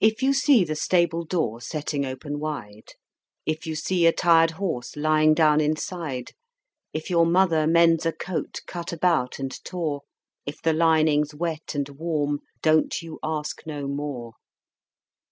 If you see the stable door setting open wide; If you see a tired horse lying down inside; If your mother mends a coat cut about and tore; If the lining's wet and warm, don't you ask no more!